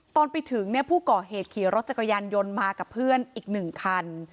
ตอนไปถึงผู้ก่อเหตุขี่รถจักรยานยนต์มากับเพื่อนอีก๑คัน